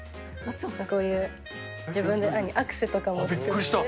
こういう自分でアクセとかも、びっくりした。